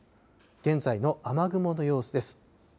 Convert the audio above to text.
現在の雨雲の様子です。